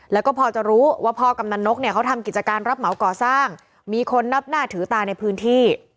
แล้วก็พอจะรู้ว่าพ่อกำนันนกเนี่ยเขาทำกิจการรับเหมาก่อสร้างมีคนนับหน้าถือตาในพื้นที่